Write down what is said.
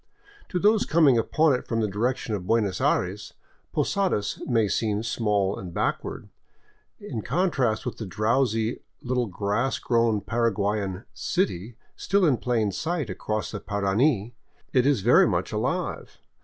To those coming upon it from the direction of Buenos Aires, Posadas may seem small and backward; in contrast with the drowsy, little grass grown Para guayan " city " still in plain sight across the Parana, it is very much alive.